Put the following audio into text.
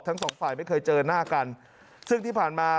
ทั้งสองฝ่ายไม่เคยเจอหน้ากันซึ่งที่ผ่านมา